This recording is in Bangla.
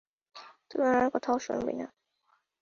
তুই উনার কথাও শুনবি না।